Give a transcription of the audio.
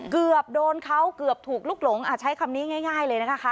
เกือบโดนเขาเกือบถูกลุกหลงใช้คำนี้ง่ายเลยนะคะ